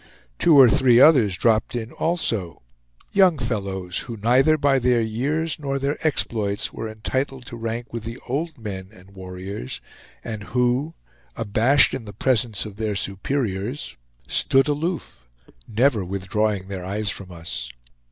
Two or three others dropped in also; young fellows who neither by their years nor their exploits were entitled to rank with the old men and warriors, and who, abashed in the presence of their superiors, stood aloof, never withdrawing their eyes from us.